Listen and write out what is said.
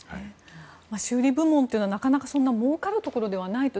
修理部門というのはなかなかもうかるところではないと。